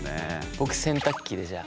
僕洗濯機でじゃあ。